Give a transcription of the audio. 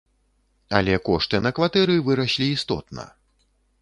Але кошты на кватэры выраслі істотна.